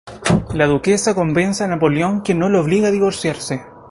La duquesa convence a Napoleón que no la obligue a divorciarse.